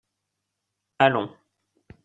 Allons.